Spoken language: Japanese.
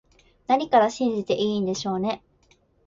何から信じていいんでしょうね